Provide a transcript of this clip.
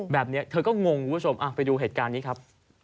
แบบนี้เธอก็งงคุณผู้ชมไปดูเหตุการณ์นี้ครับ